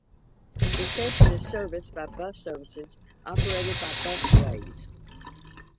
The station is serviced by bus services operated by Busways.